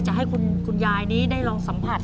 จะให้คุณยายนี้ได้ลองสัมผัส